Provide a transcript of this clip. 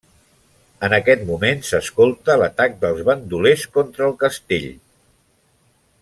En aquest moment s'escolta l'atac dels bandolers contra el castell.